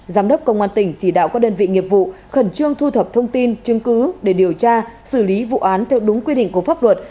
giám đốc công an tỉnh chỉ đạo các đơn vị nghiệp vụ khẩn trương thu thập thông tin chứng cứ để điều tra xử lý vụ án theo đúng quy định của pháp luật